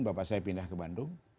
bapak saya pindah ke bandung